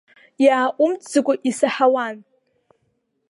Иааҟәымҵӡакәа исаҳауан.